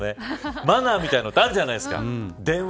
マナーみたいなのってあるじゃないですか。